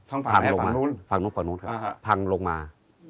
ทางฝั่งไหนฝั่งนู้นฝั่งนู้นฝั่งนู้นครับภังลงมา